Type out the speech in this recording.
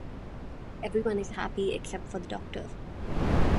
Everyone is happy except for the Doctor.